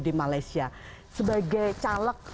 di malaysia sebagai caleg